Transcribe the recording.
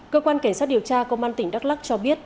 cơ quan cảnh sát điều tra công an tỉnh đắk lắc cho biết